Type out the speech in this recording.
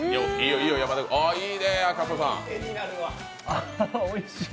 あ、おいしい。